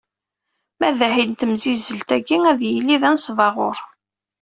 Ma d ahil n temsizzelt-agi, ad d-yili d anesbaɣur.